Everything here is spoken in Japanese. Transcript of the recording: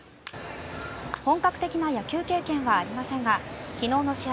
本格的な野球経験はありませんが昨日の試合